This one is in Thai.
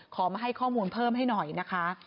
มาให้ข้อมูลเพิ่มให้หน่อยนะคะ